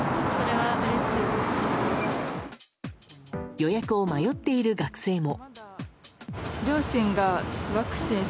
予約を迷っている学生も。